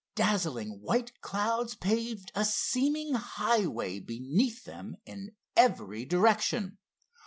Dazzling white clouds paved a seeming highway beneath them in every direction.